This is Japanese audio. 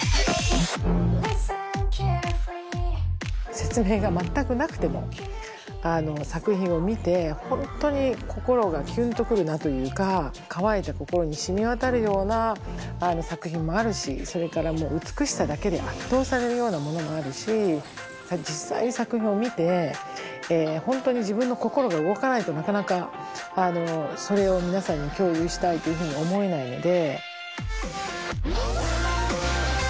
説明が全くなくても作品を見て本当に心がキュンと来るなというか渇いた心にしみ渡るような作品もあるしそれからもう美しさだけで圧倒されるようなものもあるし実際に作品を見て本当に自分の心が動かないとなかなかそれを皆さんに共有したいというふうに思えないので。